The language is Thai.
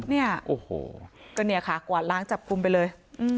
เนี่ยโอ้โหก็เนี่ยค่ะกวาดล้างจับกลุ่มไปเลย